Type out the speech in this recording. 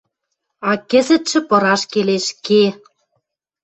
А кӹзӹтшӹ пыраш келеш, ке!..»